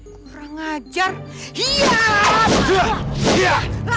sebelum menghentikan kejahatan kalian berdua